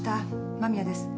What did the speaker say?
間宮です。